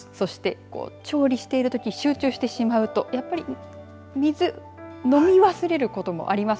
調理しているとき、集中してしまうと、やっぱり水を飲み忘れることもあります。